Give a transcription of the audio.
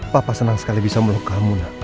papa senang sekali bisa melukamu nak